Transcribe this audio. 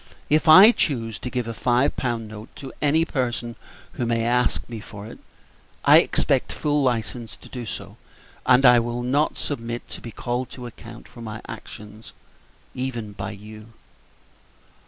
If I choose to give a five pound note to any person who may ask me for it, I expect full license to do so, and I will not submit to be called to account for my actions even by you."